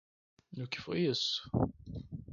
O que foi isso?